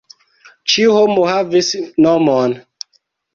Ĉiu homo havis nomon.